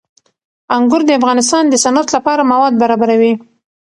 انګور د افغانستان د صنعت لپاره مواد برابروي.